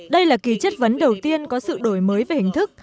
đây là kỳ chất vấn đầu tiên có sự đổi mới về hình thức